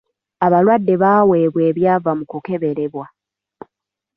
Abalwadde baaweebwa ebyava mu kukeberebwa.